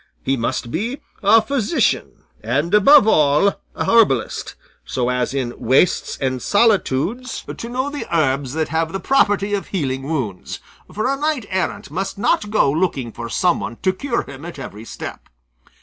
He must be a physician, and above all a herbalist, so as in wastes and solitudes to know the herbs that have the property of healing wounds, for a knight errant must not go looking for some one to cure him at every step.